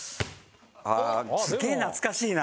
ああすげえ懐かしいな。